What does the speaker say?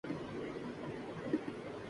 اگست Gregorian سال کا آٹھواں مہینہ ہے